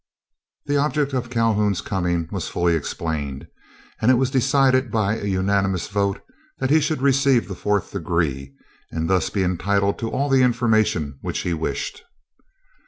The object of Calhoun's coming was fully explained, and it was decided by a unanimous vote, that he should receive the fourth degree, and thus be entitled to all the information which he wished.